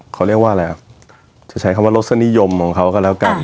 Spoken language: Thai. เขาเรียกว่าอะไรอ่ะจะใช้คำว่ารสนิยมของเขาก็แล้วกัน